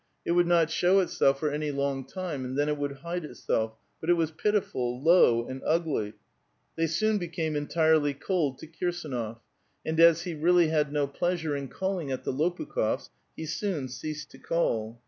It would not show itself for any long time, and then it would hide itself; but it was pitiful, low, and ugly. Thev soon became entirelv cold to Kirsdnof ; and as he really had no pleasure in calling at the Lopukh6fs', he soon ceased to call.